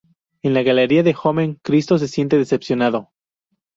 En la galería, Homem-Christo se siente decepcionado.